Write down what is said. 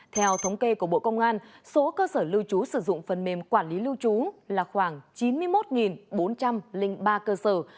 theo thống kê của bộ công an số cơ sở lưu trú sử dụng phần mềm quản lý lưu trú là khoảng chín mươi một bốn trăm linh ba cơ sở